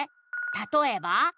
「たとえば？」